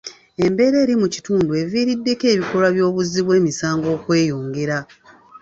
Embeera eri mu kitundu eviiriddeko ebikolwa by'obuzzi bw'emisango okweyongera.